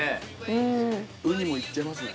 ウニもいっちゃいますね。